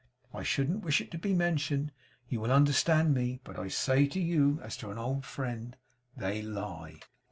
I shouldn't wish it to be mentioned; you will understand me; but I say to you as to an old friend, they lie.